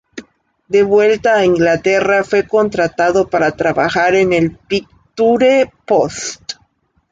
De vuelta a Inglaterra fue contratado para trabajar en el Picture Post.